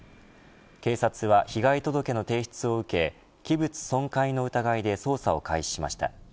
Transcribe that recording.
警察は被害届の提出を受け器物損壊の疑いで捜査を開始しました。